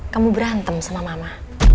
kamu berantem sama mama